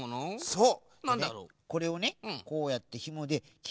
そう。